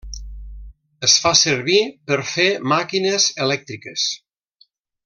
Es fa servir per fer màquines elèctriques.